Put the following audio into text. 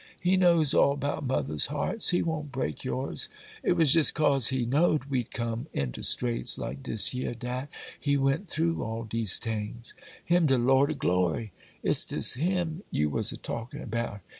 He knows all about mothers' hearts; He won't break yours. It was jes' 'cause He know'd we'd come into straits like dis yer, dat He went through all dese tings,—Him, de Lord o' Glory! Is dis Him you was a talkin' about?